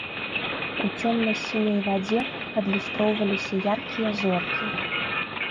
У цёмна-сіняй вадзе адлюстроўваліся яркія зоркі.